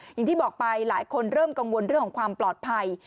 อย่างที่บอกไปหลายคนเริ่มกังวลเรื่องของความปลอดภัย